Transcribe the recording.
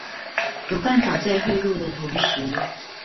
有辦法在匯入的同時